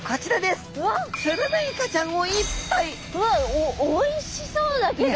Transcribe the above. おおいしそうだけど。